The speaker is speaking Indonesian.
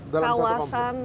dalam satu kawasan